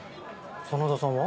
真田さんは？